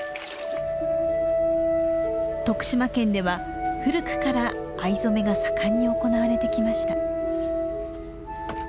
徳島県では古くから藍染めが盛んに行われてきました。